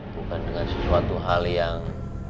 bukan dengan sesuatu hal yang